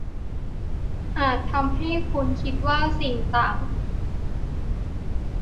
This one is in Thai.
อาจทำให้คุณคิดว่าสิ่งต่าง